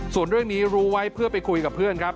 ส่วนเรื่องนี้รู้ไว้เพื่อไปคุยกับเพื่อนครับ